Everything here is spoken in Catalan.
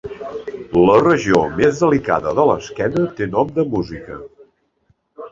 La regió més delicada de l'esquena té nom de música.